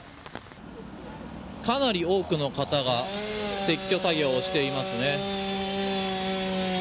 かなり多くの方が撤去作業をしていますね。